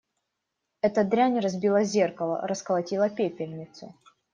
Эта дрянь разбила зеркало, расколотила пепельницу.